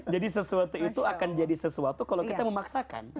jadi sesuatu itu akan jadi sesuatu kalau kita memaksakan